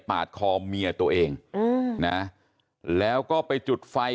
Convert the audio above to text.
ปาดคอเมียตัวเองอืมนะแล้วก็ไปจุดไฟ